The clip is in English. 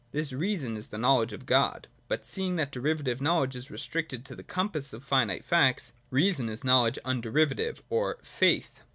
This Reason is the knowledge of God. But, seeing that derivative knowledge is restricted to the compass of finite facts. Reason is knowledge underivative, or Faith.